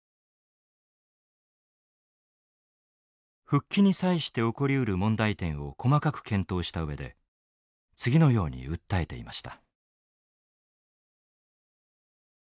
復帰に際して起こりうる問題点を細かく検討した上で次のように訴えていました。